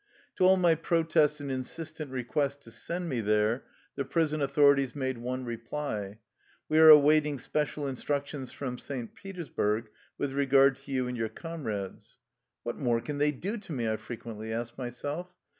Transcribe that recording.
To all my protests and insistent re quests to send me there the prison authorities made one reply :" We are awaiting special instructions from St. Petersburg with regard to you and your comrades." " What more can they do to me? '^ I frequently asked myself.